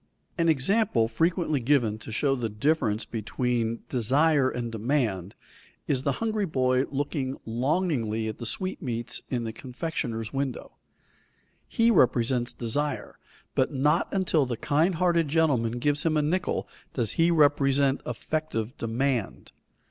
_ An example frequently given to show the difference between desire and demand is the hungry boy looking longingly at the sweetmeats in the confectioner's window. He represents desire, but not until the kind hearted gentleman gives him a nickel does he represent effective demand.